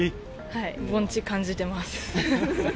盆地、感じてます。